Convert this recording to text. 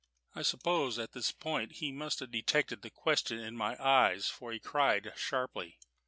I suppose at this point he must have detected the question in my eyes, for he cried sharply.